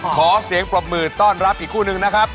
ขอเสียงปรบมือต้อนรับอีกคู่นึงนะครับ